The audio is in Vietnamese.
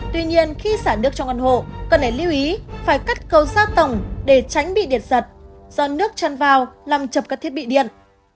tuy nhiên khi xả nước trong căn hộ cần phải lưu ý phải cắt cầu ra tổng để tránh bị điện giật do nước chân vào làm chập các thiết bị điện